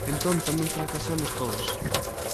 Entón, tamén fracasamos todos.